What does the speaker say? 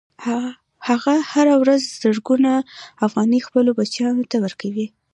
هغه هره ورځ زرګونه افغانۍ خپلو بچیانو ته ورکوي